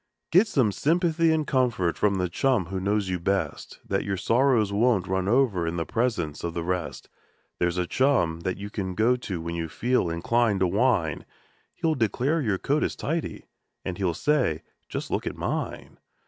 Get some sympathy and comfort from the chum who knows you best, Then your sorrows won't run over in the presence of the rest ; There's a chum that you can go to when you feel inclined to whine, He'll declare your coat is tidy, and he'll say : "Just look at mine